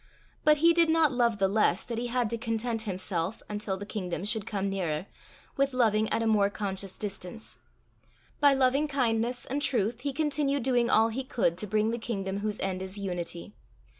But he did not love the less that he had to content himself, until the kingdom should come nearer, with loving at a more conscious distance; by loving kindness and truth he continued doing all he could to bring the kingdom whose end is unity.